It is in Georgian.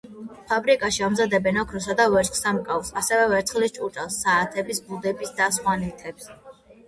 ფაბრიკაში ამზადებდნენ ოქროსა და ვერცხლის სამკაულს, ასევე ვერცხლის ჭურჭელს, საათების ბუდეებს და სხვა ნივთებს.